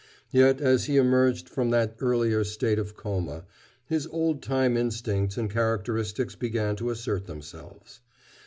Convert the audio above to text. Yet as he emerged from that earlier state of coma, his old time instincts and characteristics began to assert themselves.